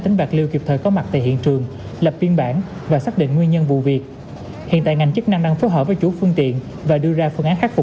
nhưng làm trực tiếp